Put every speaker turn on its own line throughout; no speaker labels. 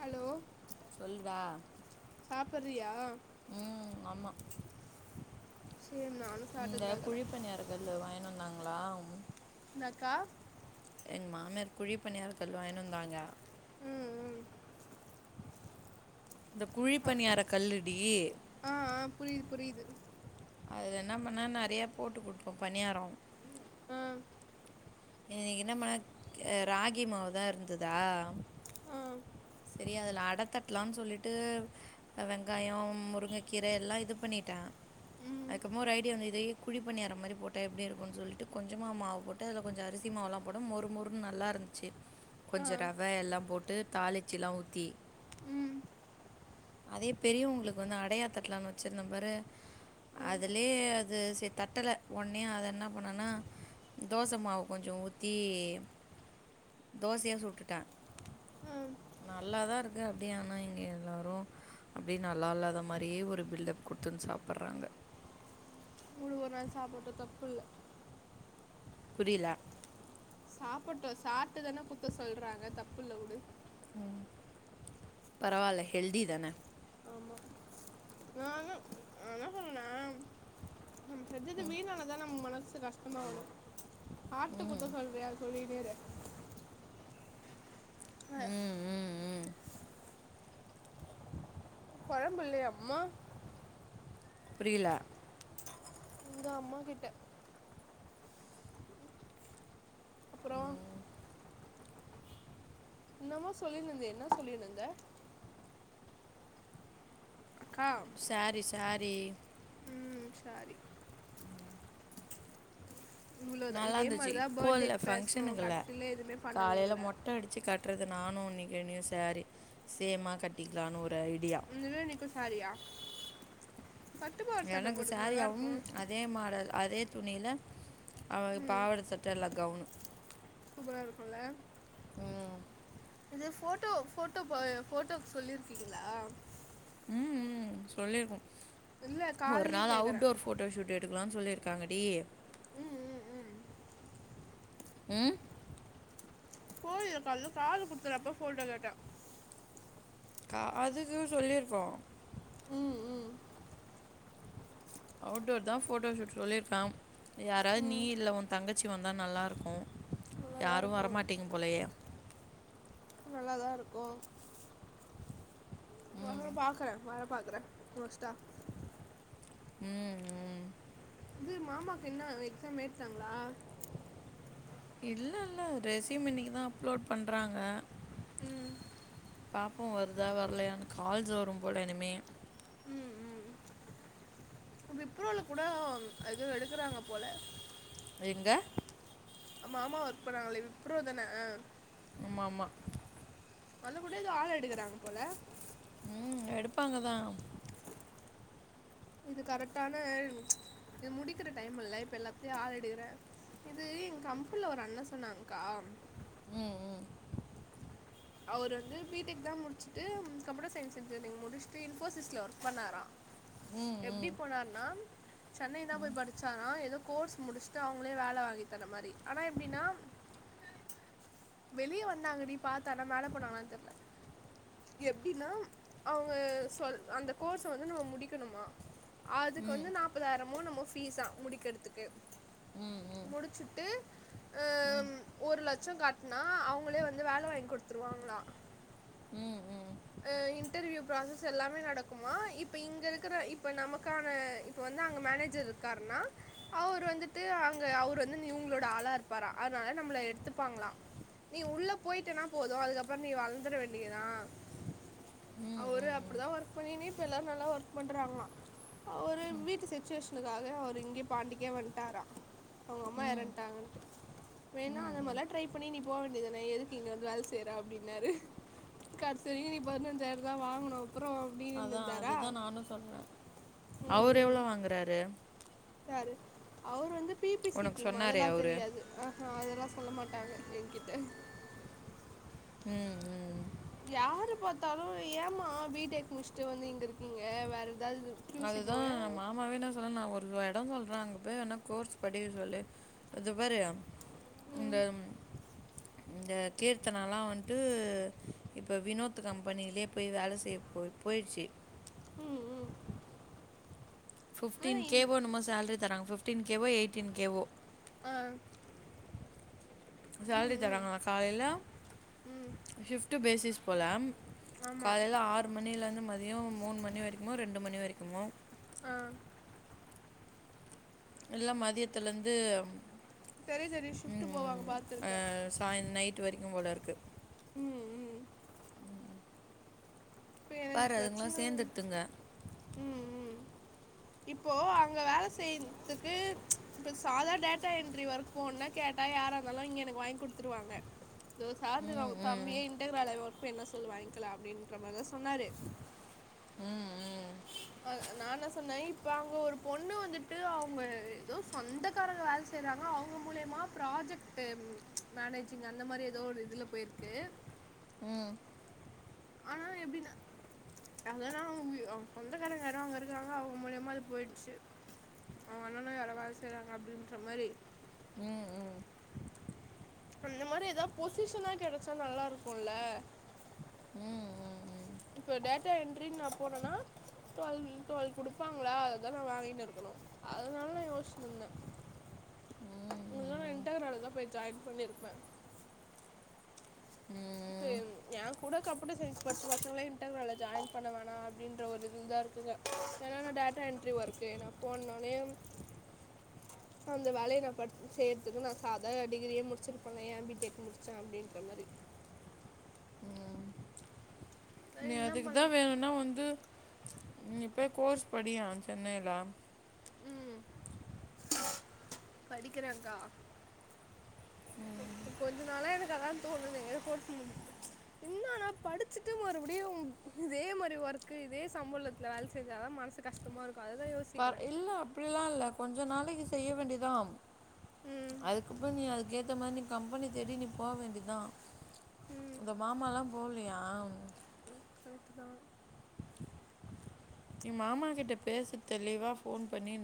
Hello
சொல்லுடா
சாப்பிட்றியா
ம் ஆமா
சரி நானும்
இந்த
சாப்பிட்டுருந்தாக்குறேன்
குழிப்பணியார கல்லு வாங்கிணு வந்தாங்
என்னாக்கா
எங் மாமியாரு குழிப்பணியாரக்கல்லு வாங்கினு வந்தாங்க
ம் ம்.
இந்த
ஆ
குழிப்பனியார கல்லுடி
ஆ ஆ, புரியுது புரியுது
அதுலென்னா பண்ண நறையா போட்டு குடுப்ப பணியாரொ
அ
இன்னைக் என்ன பண்ண ராகி மாவுதா இருந்துதா
ம்
செரி அதுல அட தட்லான் சொல்லிட்டு வெங்காய முருங்ககீர எல்லா இது பண்ணிட்ட
ம்
அதுக்கப்றமா ஒரு ஐடியாந்து இதயே குழி பணியார மாரி போட்ட எப்டி இருக்குன் சொல்ட்டு கொஞ்சமா மாவு போட்டு அதுல கொஞ்ச அரிசி ல்லா போட மொறு மொறுன்னு நல்லாருந்துச்சு
ஆ
கொஞ்ச ரவ எல்லாம் போட்டு தாளிச் சில்லா ஊத்தி
ம்
அதே பெரியவுங்களுக்கு வந்து அடையா தட்லான்னு வச்சிருந்த பாரு
ம்,
அதுலயே அது சேர்‌ தட்டல ஒன்னயே அத என்ன பண்ணேன்னா தோச மாவு கொஞ்ச ஊத்தி தோசையா சுட்டுட்ட
ஆ
நல்லாதா இருக்கு அப்டியே ஆனா இங்க எல்லாரு அப்டியே நல்லா இல்லாத மாரியே ஒரு பில்டப் குடுத்துன்னு சாப்புறாங்க
உடு ஒரு நாள் சாப்பட்டு தப்பு இல்ல
புரில
சாப்பட்டு சாப்ட்டுதானே குத்த சொல்றாங்க தப்புல்ல உடு
ம் பரவால்ல ஹெல்தி தான
ஆமா நானு‌நா என்ன சொல்றேன்னா நம்ம செஞ்சது வீணானதா நம்ம மனசு கஷ்டமாவு சாப்ட்டு குத்த சொல்றியா சொல்லி வேற ஆ
ம் ம் ம்
கொழம்பு இல்லையா அம்மா
புரியில
எங்க அம்மாக்கிட்ட அப்புறோ என்னமோ சொல்லின்னுருந்தியே என்ன சொல்லின்னுருந்த
சாரி சாரி
ம் சாரி இவ்வளோதான் இதே
நல்லாருந்துச்சு
மாதிரி தான்
இப்போ இல்ல
பர்த்டேக்கு பேசணும்
ஃபங்க்ஷனுக்குல்ல
கடைசியில் எதுவுமே பண்ணவே
காலையில
இல்லை
மொட்ட அடிச்சு காட்றது நானு நிக்கனு சாரி சேமா கட்டிக்கலானு ஒரு ஐடியா
இன்னி ஈவினிக்கு சாரியா பட்டு பாவாடை சட்டை
எனக்கு
போட்டுக்கு நல்லா
சாரியாவும்
இருக்கும்
அதே மாடல் அதே துணில அவளுக்கு பாவட சட்ட இல்ல கவுனு
சூப்பரா இருக்குல்ல
ம்
இது ஃபோட் டோ ஃபோட்டோ ப ஃபோட்டோக்கு சொல்லிருக்கீங்களா
ம் ம் சொல்லிருக்கோ
இல்லை
ஒரு
கால்லையும்
நாள்
கேட்குறேன்
அவுட்டோர் ஃபோட்டோ ஷூட் எடுக் கலானு சொல்லிருக்காங்கடி
ம் ம் ம்
ம்
கோயில்ல காலைல காது குத்துறப்போ ஃபோட்டோ கேட்ட
காதுக்கு சொல்லிருக்கோ
ம் ம்
அவுட்டோர் தா ஃபோட்டோ ஷூட் சொல்லிருக்க யாராவது நீ
ம்
இல்ல ஓ தங்கச்சி வந்தா நல்லூருக்கும்
நல்லா தான்
யாரும்
இருக்கும்
வரமாட்டிங்க போலயே
ஓ வர
ம்
பாக்கற வர பாக்கற மோஸ்ட்டா
ம் ம்
இது மாமாக்கு என்ன எக்ஸாம் எழுதிட்டாங்களா
இல்ல இல்ல ரெஸ்யூம் இன்னைக்குதா அப்லோட் பண்றாங்க
ம்
பாப்போம் வருதா வர்லையானு கால்ஸ் வரும் போல இனிமே
விப்ரோல கூட அது எடுக்கறாங்க போல
எங்க
மாமா ஒர்க் பண்ணாங்களே விப்ரோ தான
ஆமா ஆமா
அங்க கூட எதோ ஆள் எடுக்கறாங்க போல
ம் எடுப்பாங்க தா
இது கரெக்டான இது முடிக்கிற டைம் இல்ல இப்ப எல்லாத்தையு ஆளேடுக்குற இது எங் கம்பின்ல ஒரு அண்ணா சொன்னாங் கா
உம் உம்
அவரு வந்து பி டெக் தா முடிச்சுட்டு கம்ப்யூட்டர் சயின்ஸ் இன்ஜினியரிங் முடிச்சுட்டு, இன்போசிஸ்ல ஒர்க் பண்ணாரா எப்படி
ம்
போனார்னா சென்னை தா போய் படிச்சாரா எதோ கோர்ஸ் முடிச்சுட்டு அவங்களே வேலை வாங்கி தர மாரி ஆனா எப்டின்னா வெளியே வந்தாங்கடி பத்த ஆனா மேல போனாங்களா தெர்ல எப்டின்னா அவ்ங்க சொல் அந்த கோர்ஸ வந்து நம்ம முடிக்கணுமா
ம்
அதுக்கு
ம்
வந்து நாப்பதாயிரமோ என்ம்மோ பீஸா முடிக்கறத்துக்கு
ம்
முடிச்சிட்டு
ம் ம்
அஹ் ஒரு லட்சம் கட் நா அவங்களே வந்து வேல வாங்கி குடுத்துருவாங்கலா
ம் ம்
அஹ் இன்டர்வியூ ப்ராசஸ் எல்லாமே நடக்குமா இப்ப இங்க இருக்கிற இப்ப நமக்கான இப்ப வந் னா அங்க மேனேஜர் இருக்காருனா அவரு வந்துட்டு அங்க அவரு வந்து இவங்களோட ஆளா இருப்பாரா நம்மள எடுத்துப்பாங்களா நீ உள்ள போயிட்டனா போது அதுக்கப்புற நீ வளர்ந்துட வேண்டியதா
ம்
அவரு
ம்
அப்டிதான் ஒர்க் பண்ணினே‌ இப்ப எல்லாரு நல்லா ஒர்க் பண்றாங்களா அவரு வீட்டு சிச்சுவேஷனுக்காக அவர் இங்கயே பாண்டிக்கே வந்ன்டாரா அவ்ங் அம்மா
ம் ம்
இறந்துட்டாங்கண்டு
ம்
வேணா அந்த
ம்
மாதிரிலா ட்ரை பண்ணி நீ போக வேண்டியது தான எதுக்கு நீ இங்க வந்து வேல செய்யற அப்டின்னாரு கடைசி வரைக்கு நீ பதினஞ்சாயிரந் தா வாங்கனு
அதா அதேதா நானு சொல்றே
ம்
அவரு
ம்
எவ்ளோ வாங்குறாரு
யார் அவர் வந்து பீ பி
உனக்கு
சீக்கிம்
சொன்னாரே
அதெல்லா
அவரு
தெரியாது ஆஹா அதெல்லா சொல்ல மாட் டாங்க என்கிட்ட
ம் ம்
யாரு பார்த்தாலு ஏமா பி டெக் முடிச்சிட்டு வந்து இங்க இருக்கீங்க வேற
அதுதா மாமாவே என்னா சொன்னாலும் நா ஒரு எடம் சொல்ற அங்கப் போய் வேனா கோர்ஸ் படிக்க சொல்லு இதபாரு இந்த இந்த கீர்த்தனலா வந்ட்டு இப்போ வினோத் கம்பெனிலயே போய் வேல செய் போய் போயிடுச்சி
ம் ம்
பிப்டீன்
ஆனால் இந்
கேவோ என்னமோ சேலரி தராங்க பிப்டீ கேவோ எயிட்டீன் கேவோ
ஆஹ்
சேல்ரி தராங்களா காலையில
ம்
ஷிஃப்ட்டு பேசிஸ் போல
ஆமாம்
காலையில ஆறு மணில இருந்து மதியம் மூணு மணி வரைக்குமோ ரெண்டு மணி வரைக்குமோ
ஆஹ்
இல்னா மதியத்துல இந்து
தெரியு தெரியு ஷிஃப்ட்டு போவாங்க பாத்துருக்கே
ம் போலருக்கு
ம் ம் இப்ப எனக்கு
பாரு
பிரச்சன
அதுங்களாம் சேர்ந்துடுத்துங்க
உம் உம் இப்போ அங்க வேல செய்றதுக்கு இப்ப சாதா டேட்டா என்ட்ரி வொர்க் போன்னா கேட்டா வே யாராருந்தாலும் இங்க எனக்கு வாங்கி குடுத்துருவாங்க தோ சார்ஜால
ம்
அவுங்க
ம்
தம்பியே இன்டர் வேல வொர்க் வேனுன்னா சொல்லு வாங்க்கலா அப்டின்ற மாரிதா சொன்னாரு
ம் ம்
நா ன்னா சொன்னே இப்ப அங்க ஒரு பொண்ணு வந்துட்டு அவுங்க ஏதோ சொந்தக்காரங்க வேலை செய்றாங்க அவங்க மூலியமா ப்ராஜெக்ட்டு மேனேஜிங் அந்த மாரி ஏதோ ஒரு இதுல போயிருக்கு
ம்
ஆனா எப்டின்னா அதெல்லா அவங்க சொந்தக்காரங்க யாரோ அங்க இருக்காங்க அவங்க மூலியமா அது பொயிட்ச்சு அவங்க அண்ணனோ யாரோ வேல செய்றாங்க அப்டின்ற மாரி
ம் ம்
அந்த மாரி எதா பொசிஷனா கெடச்சா நல்லாருக்குல
ம் ம் ம்
இப்ப டேட்டா என்ட்ரின் நா போறேனா டுவல் மீன் டுவல் குடுப்பாங்களா அதா நா வாங்கிட்டு இருக்குணு அதனால நா யோஷ்ச்சுனு இருந்தே
ம்
உங்ளுக்குலா நா
ம்
இன்டர்னால தா போய் ஜாயின் பண்ணிருப்பே இப்ப
ம்
எம் ஏ கூட கம்யூட்டர்சயின்ஸ் படிச்ச பசங்களே இன்டர்னால ஜாயின் பண்ணவேணா அப்டின்ற ஒரு இதுதா இருக் குங்க ஏனா நா டேட்டா என்ட்ரி வொர்க்கு நா போன்னாலே அந்த வேலைய நா படிச் செய்யறதுக்கு நா சாதா டிகிரியே முடிச்சிருபனே ஏ பி டெக் முடிச்சே அப்டின்ற மாரி இருக் நான்
நீ
என்ன
அதுக்குதா
பண்ணலாம்
வேணுனா வந்து ம் நீ போய் கோர்ஸ் படியா சென்னைல
படிக்கிறேகா கொஞ்ச நாளா எனக்கு அதா தோணுதுங்க கோர்ஸ் முடிச் என்ன ஆனா படிச்சிட்டு மறுபடியும் இதே மாரி ஒர்க்கு இதே சம்பளத்துல வேல செஞ்சாதா மனசு கஷ்டமா இருக்
பர் இல்ல அப்டிலா இல்ல கொஞ்ச நாளைக்கு செய்ய வேண்டிதாம்
ம்
அதுக்கப்றோ நீ அதுக்கேத்த மாரி நீ கம்பெனி தேடி நீ போ வேண்டிதா இந்த மாமாலா போவ்லயா
ம் கரெட்டுதா
எ மாமா கிட்ட பேசு தெளிவா ஃபோன் பண்ணி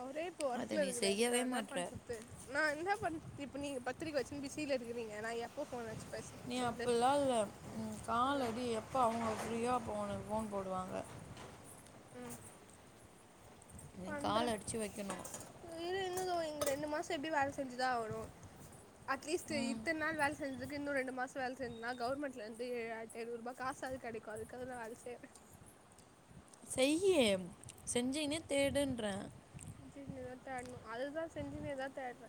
அவரே இப்ப ஒர்க்ல இருக்கறாரு நா என்ன
மாட்ற
பண்றது நா என்ன பண் இப்ப நீங்க பத்திரிக்க வெச்சுனு பிஸில இருக்கிறிங்க நா எப்போ ஃபோன் அச்சு
நீ அப்பில்லா இல்ல கால் அடி எப்ப அவங்க ஃப்ரீயோ அப்ப உனக்கு ஃபோன் போடுவாங்க
ம்
நீ
பண்ற
கால் அடித்து வைக்கணும்
இரு தோ இங்க ரெண்டு மாச எப்டியு வேல செஞ்சுதா ஆகனு அட்லீஸ்ட்
ம்
இத்தன் நாள் வேல செஞ்சதுக்கு இன்னு ரெண்டு மாச வேல செஞ்சனா கவர்மென்டலந்து ஆயிரத்த ஐநூறுபா காசாவது கெடைக்கு அதுக்காகதா வேல செய்யற
செய்யி செஞ்சினே தேடுன்ற
சின்னதா தேடணு அதுதா செஞ்சினேதா தேடற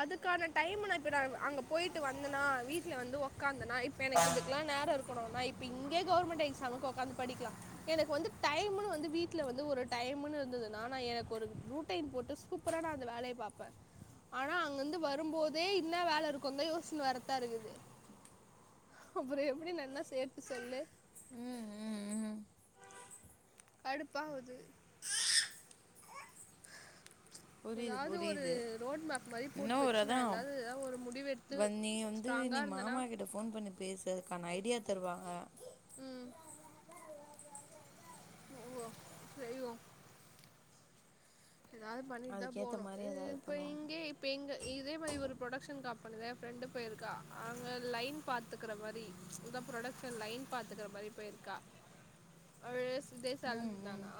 அதுக்கான டைம் ந இப்ப நா அங்க போய்ட்டு வந்தனா வீட்ல வந்து உக்காந்தனா இப்ப எனக்கு இதுக்கெலா நேர இருக்கணு நா இப்ப இங்கே கவுர்மெண்ட் எக்ஸாம்க்கு உக்காந்து படிக் லா எனக்கு வந்து டைம்னு வந்து வீட்ல வந்து ஒரு டைம்ன்னு இருந்துதுனா நா எனக்கு ஒரு ரூட்டைன் போட்டு சூப்பரா நா அந்த வேலைய பாப்ப ஆனா அங்கிருந்து வரும்போதே இன்ன வேல இருக்குன்தா யோசிச்னு வரதா இருக்குது அப்பற எப்படி நன்னா சேத்து சொல்லு
ம் ம் ம்
கடுப்பாவுது
புரியுது
ஏதாவது ஒரு
புரியுது
ரோட் மேப் மாதிரி
இன்ன
போட்டு
ஒரு
வச்சு
அதா
நான் ஏதாவது ஏதாவது ஒரு முடிவெடுத்து
வந் நீ வந்து நீ
ஸ்ட்ராங்காக இருந்தேன்னா
மாமா கிட்ட ஃபோன் பண்ணி பேசு அதுக்கான ஐடியா தருவாங்க
ம் ஓ செய்வோ எதாது பண்ணிட்டுதா
அதுக்கேத்த
போனு
மாரி ஏதாவது
இப்ப
பண்ணுவாங்க
இங்கே இப்ப எங்க இதே மாரி ஒரு ப்ரொடக்ஷன் கம் பெனில எ ஃப்ரெண்ட்டு போயிருக்கா அங்க லைன் பாத்துக்கிற மாரி இந்த புரொடக்ஷன் லைன் பாத்துக்கிற மாரி ரி போயிருக்கா ஆல்வேஸ் இதே
ம்
சேலரி
ம்
தானா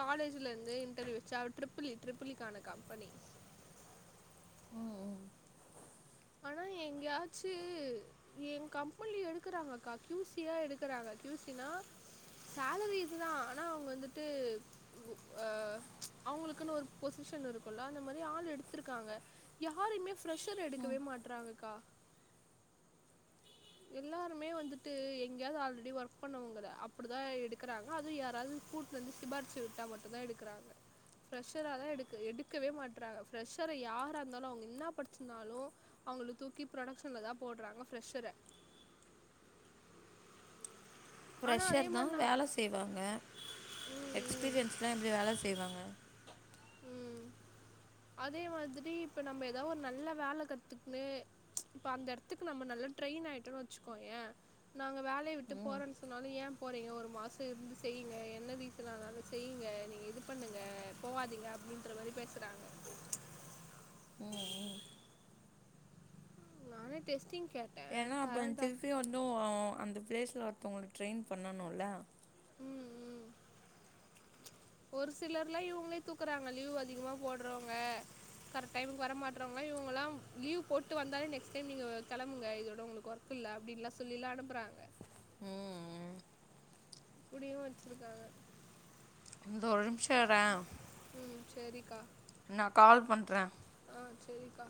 காலேஜ்ல இருந்தே இன் டர்வியு வெச்சு அவ ட்ரிபிள் இ ட்ரிபிள் இ கான கம்பெனி ஆனா எங்கயாச்சு எ கம்பெனில எடுக்கறாங்க கா கியூ சி யா எடுக்கறாங்க கியூ சி னா ஆ சேலரி இதுதா ஆனா அவங்க வந்துட்டு அ அவங்களுக்குன்னு ஒரு பொசி பொசிஷன் இருக்குல்ல அந்த மாரி ஆள் எடுத்திருக்காங்க யாரையுமே ஃப்ரெஷர் எடுக் க்கவே மாட்றாங்க்கா எல்லாருமே வந்துட்டு எங்கேயாவது ஆல்ரெடி ஒர்க் பண்ணவங்க அப்பிடிதா எடுக்கறாங்க அது யாராது கூட்டு வந்து சிபாரிசு விட்டா மட்டுதா எடுக்கிறாங்க ஃப்ரெஷராதா எடு எடுக்கவே மாட்றாங்க ஃப்ரெஷர யாரா இருந்தாலு அவங்க என்னா படிச்சிருந்தாலு அவங்கள தூக்கி புரொக்ஷன்ல தா போடட்றாங்க ஃப்ரெஷெர ஆனால் அதே
ஃப்ரெஷர் தா
மாதிரி நான்
வேல செய்வாங்க
ம்
எக்ஸ்பீரியன்ஸ்லா எப்டி வேல செய்வாங்க
ம் ம் அதே மாரி இப்ப நம்ம எதா ஒரு நல்ல வேல கத்துக்குன்னு இப்ப அந்த எடத்துக்கு நம்ம நல்லா ட்ரெயின் ஆயிட்டோன்னு வெச்சுகோயே நாங்க வேலைய விட்டு போறோன்னு சொன்னாலு ஏ போறீங்க ஒரு மாசோ இருந்து செய்ங்க என்ன ரீசன்னாலு செய்யுங் இருங்க நீங்க இது பண்ணுங்க போவாதீங் அப்டின்ற மாரி பேசுறாங்க நானே டெஸ்டிங் கேட்டேன்
ஏன்னா அப்றோ
தரேன் தர
திருப்பி வந்து அந்த பிளேஸ்ல ஒருத்தவங்களுக்கு ட்ரெயின் பண்ணணுல
ம் ம் ஒரு சிலர்ல்லா இவங்களே தூக்குறாங்க லீவ் அதிகமா போட்றவங்க கரெக்ட் டைமுக்கு வர மாட்றவங்க இவங்கலா லீவ் போட்டு வந்தாலே நெக்ஸ்ட் டைம் நீங்க கெளம்புங்க இதோட உங்ளுக்கு ஒர்க் இல்ல அப்டின்னுல்லா சொல்லி அனுப்புறாங்க
ம் ம்
கூடையு வெச்சிருக்காங்க
இந்தோ ஒரு நிமிஷோ இரே
ம் செரிக்கா
நா கால் பண்றே
அ செரிக்கா